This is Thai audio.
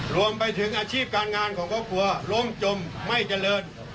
รวมไปถึงอาชีพการงานของครอบครัวล้มจมไม่เจริญ